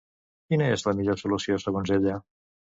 Quina és la millor solució segons ella?